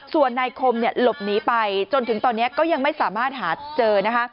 ส่วนนายคมเนี่ยหลบหนีไปจนถึงตอนนี้ก็ยังไม่สามารถหาเจอนะคะ